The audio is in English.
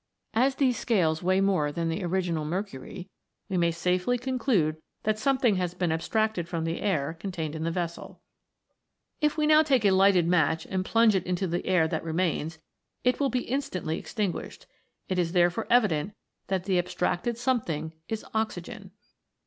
As these scales weigh more than the original mercury, we may safely conclude that something has been abstracted from the air contained in the vessel. If we now take a lighted match and plunge it into the air that remains, it will be instantly extin guished; it is therefore evident that the abstracted something is oxygen.